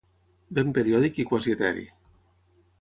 Vent periòdic i quasi eteri.